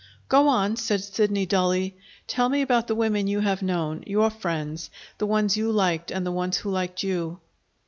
"Go on," said Sidney dully. "Tell me about the women you have known, your friends, the ones you liked and the ones who liked you."